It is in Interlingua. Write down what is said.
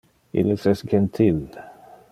Illes es gentil.